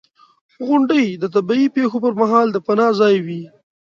• غونډۍ د طبعي پېښو پر مهال د پناه ځای وي.